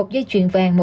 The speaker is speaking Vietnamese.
một dây chuyền vàng